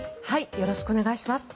よろしくお願いします。